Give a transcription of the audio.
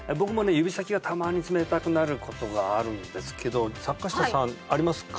指先がたまに冷たくなることがあるんですけど坂下さんありますか？